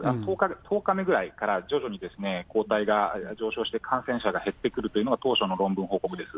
１０日目ぐらいから、徐々に抗体が上昇して、感染者が減ってくるというのが、当初の論文報告です。